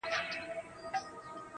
دوه زړونه په سترگو کي راگير سوله